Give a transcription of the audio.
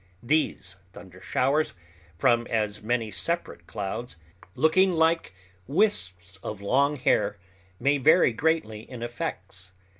These thundershowers from as many separate clouds, looking like wisps of long hair, may vary greatly in effects.